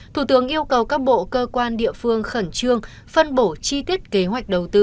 thủ tướng yêu cầu các bộ cơ quan địa phương khẩn trương phân bổ chi tiết kế hoạch đầu tư